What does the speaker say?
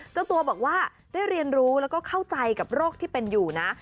เจ้าตัวบอกว่าได้เรียนรู้แล้วก็เข้าใจกับโรคที่เป็นอยู่นะ